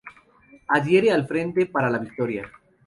Adhiere al Frente para la Victoria.